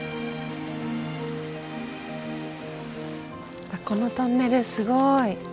大正時代このトンネルすごい。